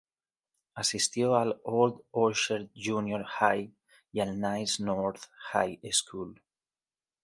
Asistió al Old Orchard Junior High y al Niles North High School.